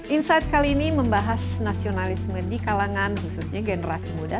insight kali ini membahas nasionalisme di kalangan khususnya generasi muda